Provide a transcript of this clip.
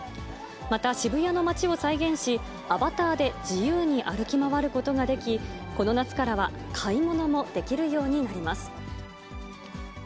また、渋谷の街を再現し、アバターで自由に歩き回ることができ、この夏からは買い物もできるようになります。